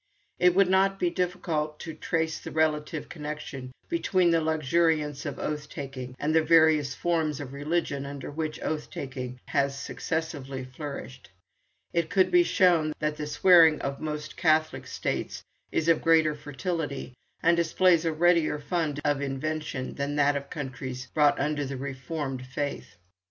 It would not be difficult to trace the relative connection between the luxuriance of oath taking and the various forms of religion under which oath taking has successively flourished. It could be shown that the swearing of most Catholic states is of greater fertility, and displays a readier fund of invention than that of countries brought under the reformed faith.